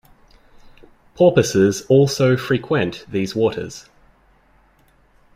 Porpoises also frequent these waters.